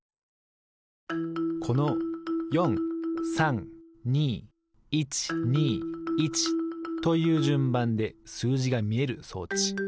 この４３２１２１というじゅんばんですうじがみえる装置。